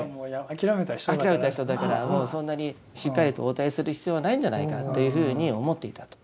諦めた人だからもうそんなにしっかりと応対する必要はないんじゃないかというふうに思っていたと。